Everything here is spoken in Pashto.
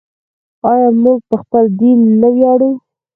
آیا موږ په خپل دین نه ویاړو؟